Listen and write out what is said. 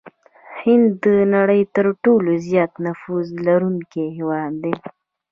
هند د نړۍ ترټولو زيات نفوس لرونکي هېواد دي.